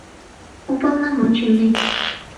Уполномоченный!